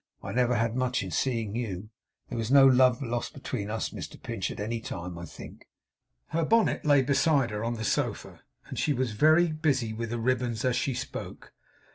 I never had much in seeing you. There was no love lost between us, Mr Pinch, at any time, I think.' Her bonnet lay beside her on the sofa, and she was very busy with the ribbons as she spoke.